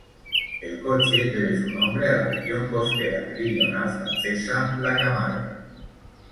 El coche debe su nombre a la región costera meridional francesa, la Camarga.